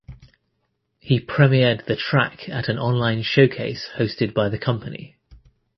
He premiered the track at an online showcase hosted by the company.